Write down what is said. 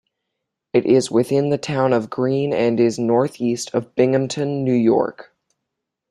It is within the town of Greene and is northeast of Binghamton, New York.